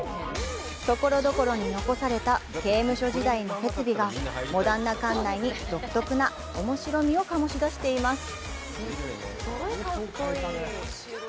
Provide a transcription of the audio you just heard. ところどころに残された刑務所時代の設備がモダンな館内に独特なおもしろみを醸し出しています。